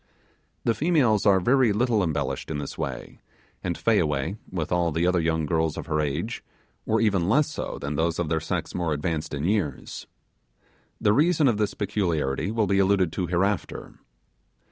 The females are very little embellished in this way, and Fayaway, and all the other young girls of her age, were even less so than those of their sex more advanced in years. The reason of this peculiarity will be alluded to hereafter.